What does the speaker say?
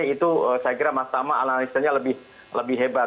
itu saya kira mas tama analisanya lebih hebat